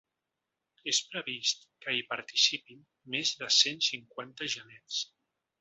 És previst que hi participin més de cent cinquanta genets.